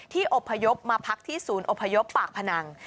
อบพยพมาพักที่ศูนย์อพยพปากพนัง